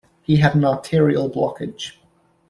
He had an arterial blockage.